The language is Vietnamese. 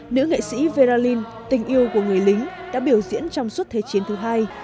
nữ nghệ sĩ vera lynn tình yêu của người lính đã biểu diễn trong suốt thế chiến thứ hai